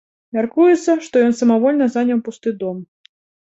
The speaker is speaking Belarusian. Мяркуецца, што ён самавольна заняў пусты дом.